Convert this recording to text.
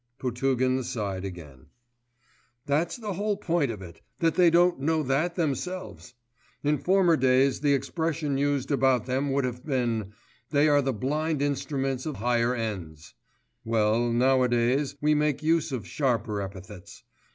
Potugin sighed again. 'That's the whole point of it, that they don't know that themselves. In former days the expression used about them would have been: "they are the blind instruments of higher ends"; well, nowadays we make use of sharper epithets.